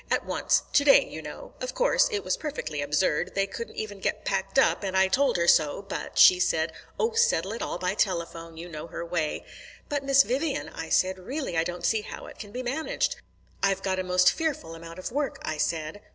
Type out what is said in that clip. At once today, you know. Of course, it was perfectly absurd they couldn't even get packed up and I told her so; but she said, 'Oh, settle it all by telephone' you know her way. 'But, Miss Vivian,' I said, 'really I don't see how it can be managed. I've got a most fearful amount of work,' I said.